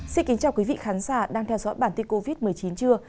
xin kính chào quý vị khán giả đang theo dõi bản tin covid một mươi chín chưa